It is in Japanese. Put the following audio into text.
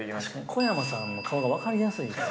小山さんの顔が分かりやすい。